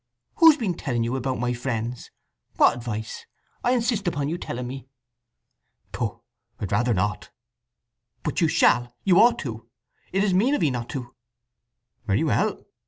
"Who's been telling you about my friends? What advice? I insist upon you telling me." "Pooh—I'd rather not." "But you shall—you ought to. It is mean of 'ee not to!" "Very well."